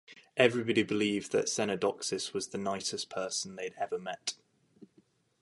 Everybody believed that Cenodoxus was the nicest person they'd ever met.